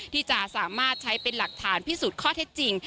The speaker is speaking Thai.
ที่จะสามารถใช้เป็นหลักฐานพิสูจน์ข้อเท็จจริง